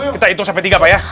kita hitung sampai tiga pak ya